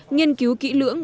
nghiên cứu kỹ lưỡng